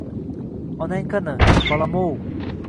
— Onang qani, bolam-ov?